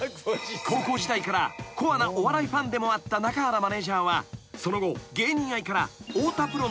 ［高校時代からコアなお笑いファンでもあった中原マネジャーはその後］